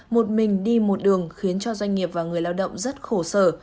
một mình đi một đường khiến cho doanh nghiệp và người lao động rất khổ sở